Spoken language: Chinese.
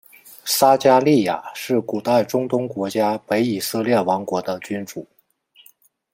撒迦利雅是古代中东国家北以色列王国的君主。